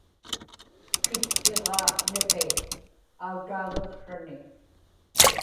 kittiġaa niqi autaagaksrani